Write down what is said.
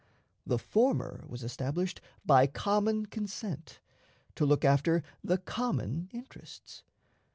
The former was established by common consent to look after the common interests.